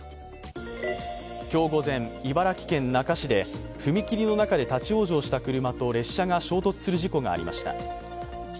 今日午前、茨城県那珂市で踏切の中で立往生した車と列車が衝突する事故がありました。